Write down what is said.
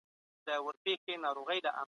د بل حق خوړل د قرآن خلاف دي.